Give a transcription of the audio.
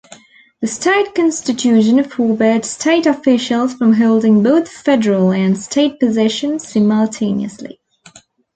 The state constitution forbade state officials from holding both federal and state positions simultaneously.